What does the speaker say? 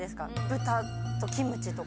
豚とキムチとか。